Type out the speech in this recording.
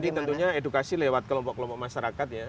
iya jadi tentunya edukasi lewat kelompok kelompok masyarakat ya